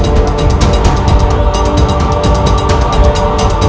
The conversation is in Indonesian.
aku harus menggunakan ajem pabuk kasku